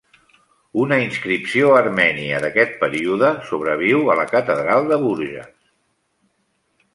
Una inscripció armènia d'aquest període sobreviu a la catedral de Bourges.